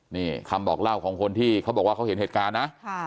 นี่คำบอกเล่าของคนที่เขาบอกว่าเขาเห็นเหตุการณ์นะ